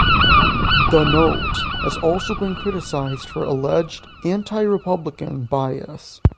The Note has also been criticized for alleged anti-Republican bias.